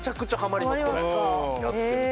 これやってると。